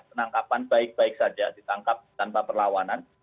penangkapan baik baik saja ditangkap tanpa perlawanan